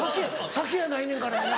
酒やないねんからやな。